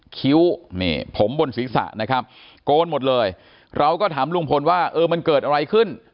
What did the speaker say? คิ้วนี่ผมบนศีรษะนะครับโกนหมดเลยเราก็ถามลุงพลว่าเออมันเกิดอะไรขึ้น